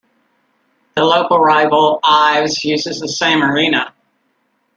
The local rival Ilves uses the same arena.